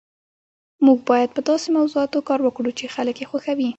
موږ باید په داسې موضوعاتو کار وکړو چې خلک یې خوښوي